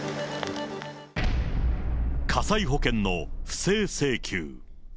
火災保険の不正請求。